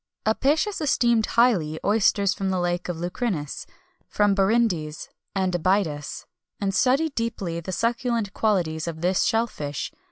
Apicius esteemed highly oysters from the lake of Lucrinus, from Brindes, and Abydos, and studied deeply the succulent qualities of this shell fish.